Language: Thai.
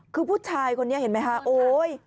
คือผู้ชายคนนี้เห็นไหมคะโอ๊ย